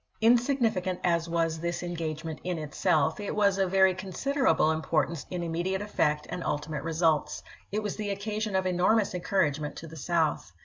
Insignificant as was this engagement in itself, it was of very considerable importance in immediate effect and ultimate results. It was the occasion of enormous encouragement to the South.